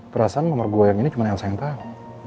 perasaan nomor gue yang ini cuma elsa yang tau